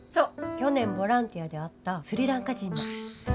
去年ボランティアで会ったスリランカ人の。